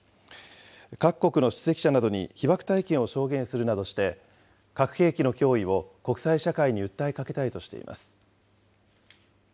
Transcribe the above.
各国の出席者などに被爆体験を証言するなどして、核兵器の脅威を国際社会に訴えかけたいとしています。